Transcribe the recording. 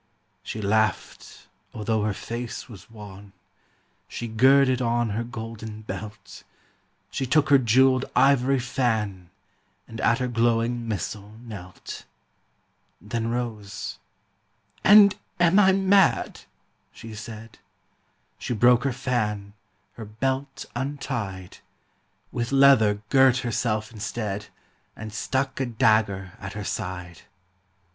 She laughed although her face was wan, She girded on her golden belt, She took her jewelled ivory fan, And at her glowing missal knelt. Then rose, 'And am I mad?' she said: She broke her fan, her belt untied; With leather girt herself instead, And stuck a dagger at her side.